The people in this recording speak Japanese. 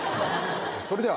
それでは